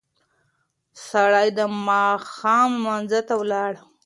سړی د ماښام لمانځه ته ولاړ.